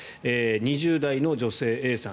２０代の女性のＡさん。